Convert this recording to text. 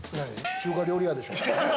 中華料理屋でしょ。